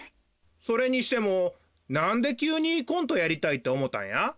それにしてもなんできゅうにコントやりたいっておもたんや？